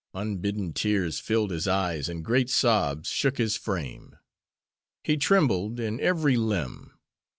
Unbidden tears filled his eyes and great sobs shook his frame. He trembled in every limb.